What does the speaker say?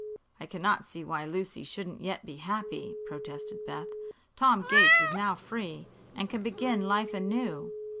"I cannot see why Lucy shouldn't yet be happy," protested Beth. "Tom Gates is now free, and can begin life anew."